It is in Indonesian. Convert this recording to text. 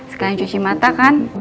sekalian cuci mata kan